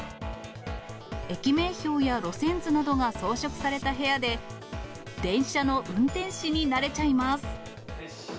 駅名標や路線図などが装飾された部屋で、電車の運転士になれちゃいます。